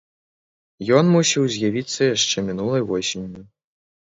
Ён мусіў з'явіцца яшчэ мінулай восенню.